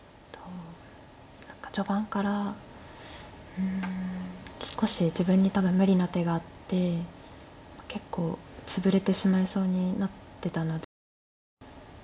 何か序盤から少し自分に多分無理な手があって結構ツブれてしまいそうになってたので。